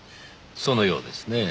そのようですねぇ。